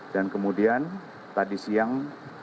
dan kemudian tadi siang